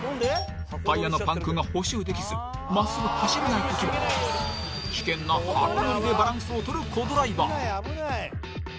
タイヤのパンクが補修できず真っすぐ走れない時は危険な箱乗りでバランスを取るコ・ドライバー。